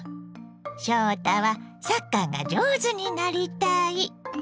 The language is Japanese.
翔太はサッカーが上手になりたい。